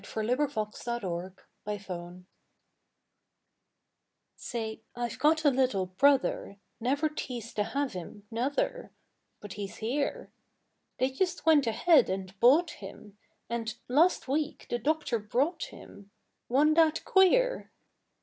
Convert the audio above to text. HIS NEW BROTHER Say, I've got a little brother, Never teased to have him, nuther, But he's here; They just went ahead and bought him, And, last week the doctor brought him, Wa'n't that queer?